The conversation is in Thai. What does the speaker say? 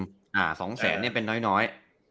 เอ่อ๒แสนเนี่ยเป็นน้อย